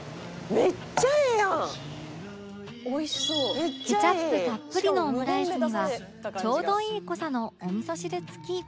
「めっちゃいい」ケチャップたっぷりのオムライスにはちょうどいい濃さのおみそ汁付き